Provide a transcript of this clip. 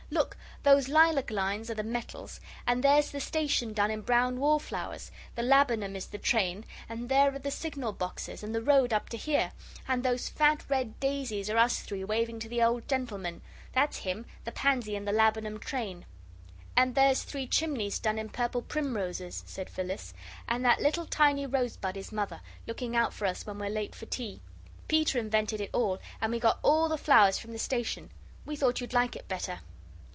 "Look those lilac lines are the metals and there's the station done in brown wallflowers. The laburnum is the train, and there are the signal boxes, and the road up to here and those fat red daisies are us three waving to the old gentleman that's him, the pansy in the laburnum train." "And there's 'Three Chimneys' done in the purple primroses," said Phyllis. "And that little tiny rose bud is Mother looking out for us when we're late for tea. Peter invented it all, and we got all the flowers from the station. We thought you'd like it better."